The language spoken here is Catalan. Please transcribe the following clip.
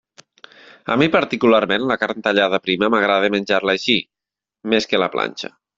A mi particularment la carn tallada prima m'agrada menjar-la així, més que a la planxa.